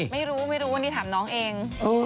ไม่รู้ไม่รู้วันนี้ถามน้องเอง